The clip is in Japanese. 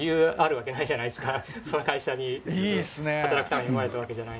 その会社に働くために生まれたわけじゃない。